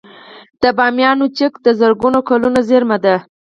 د بامیانو چک د زرګونه کلونو زیرمه ده